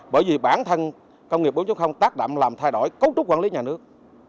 bởi vì bản thân công nghiệp bốn tác đạm làm thay đổi cấu trúc quản lý nhà nước